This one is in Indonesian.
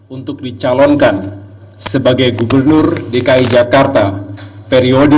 untuk dicalonkan sebagai gubernur dki jakarta periode dua ribu tujuh belas dua ribu dua puluh dua